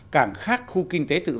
càng khác khu kinh tế tự do v v